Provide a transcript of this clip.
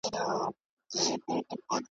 اوبه په ډانگ نه بېلېږي